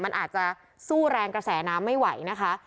มันอาจจะสู้แรงกระแสน้ำไม่ไหวนะคะ